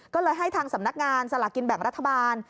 ก็เลยให้ทางสำนักงานสลากินแบ่งรัฐบาล